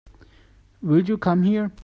Will you come here?